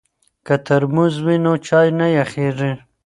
که ترموز وي نو چای نه یخیږي.